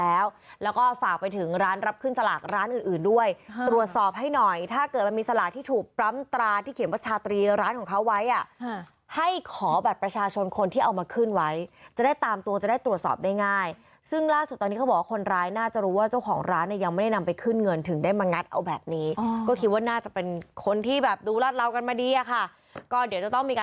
แล้วแล้วก็ฝากไปถึงร้านรับขึ้นสลากร้านอื่นอื่นด้วยตรวจสอบให้หน่อยถ้าเกิดมันมีสลากที่ถูกปรั๊มตราที่เขียนว่าชาตรีร้านของเขาไว้อะให้ขอบัตรประชาชนคนที่เอามาขึ้นไว้จะได้ตามตัวจะได้ตรวจสอบได้ง่ายซึ่งล่าสุดตอนนี้เขาบอกว่าคนร้ายน่าจะรู้ว่าเจ้าของร้านเนี่ยยังไม่ได้นำไปขึ้นเงินถึ